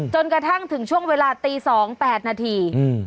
จนกระทั่งถึงช่วงเวลาตี๒๘นาที